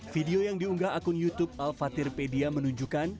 video yang diunggah akun youtube al fatirpedia menunjukkan